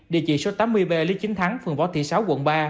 địa chỉ số tám mươi b lý chính thắng phường võ thị sáu quận ba